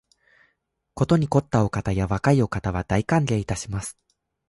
ことに肥ったお方や若いお方は、大歓迎いたします